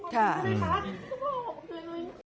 ค่ะอืมขอบคุณครับครับ